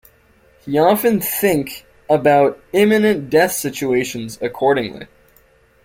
He often think "about imminent death situations," accordingly.